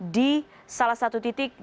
di salah satu titik